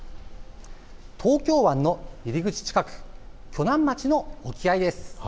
東京湾の入り口近く、鋸南町の沖合です。